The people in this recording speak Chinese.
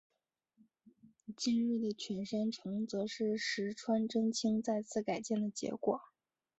今日的犬山城则是石川贞清再次改建的结果。